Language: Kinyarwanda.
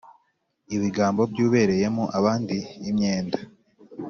Ibigambo by ubereyemo abandi imyenda